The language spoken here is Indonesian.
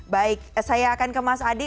baik saya akan ke mas adi